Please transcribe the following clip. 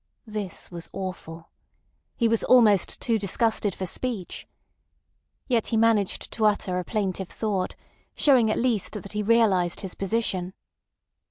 This was awful. He was almost too disgusted for speech. Yet he managed to utter a plaintive thought, showing at least that he realised his position.